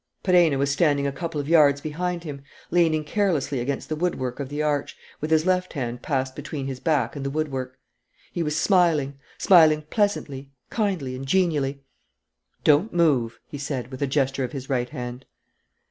Perenna was standing a couple of yards behind him, leaning carelessly against the woodwork of the arch, with his left hand passed between his back and the woodwork. He was smiling, smiling pleasantly, kindly, and genially: "Don't move!" he said, with a gesture of his right hand.